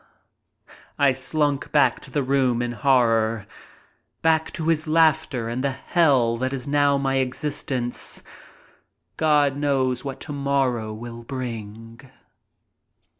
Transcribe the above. I slunk back to the room in horror. Back to his laughter and the hell that is now my existence. God knows what to morrow will bring!